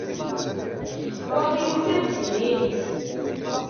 Waqil ufiɣ-d tiririt.